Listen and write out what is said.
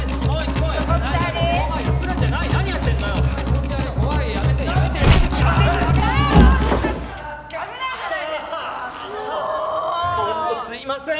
本当すいません！